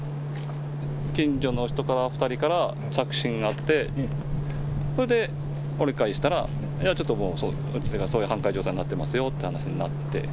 近所の人、２人から着信があって、それで折り返したら、いや、ちょっとうちがそういう半壊状態になってますよという話になって。